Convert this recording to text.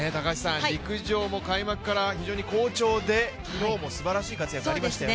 陸上も開幕から非常に好調で、昨日もすばらしい活躍がありまたよね。